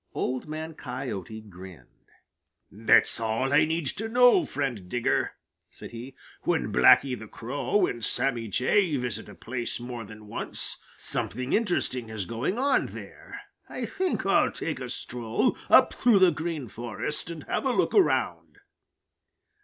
Old Man Coyote grinned. "That's all I need to know, friend Digger," said he. "When Blacky the Crow and Sammy Jay visit a place more than once, something interesting is going on there. I think I'll take a stroll up through the Green Forest and have a look around."